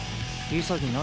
潔何？